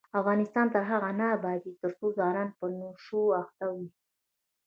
افغانستان تر هغو نه ابادیږي، ترڅو ځوانان په نشو اخته وي.